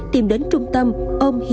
tìm đến trung tâm ôn hiệu